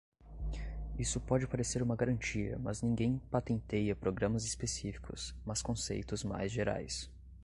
Isso pode parecer uma garantia, mas ninguém patenteia programas específicos, mas conceitos mais gerais.